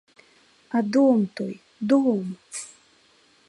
А дом той, дом!